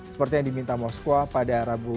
seperti yang diminta moskwa pada rabu